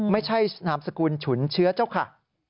ไม่ใช่นามสกุลฉุนเชื้อเจ้าค่ะ